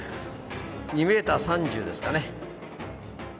２ｍ３０ですかね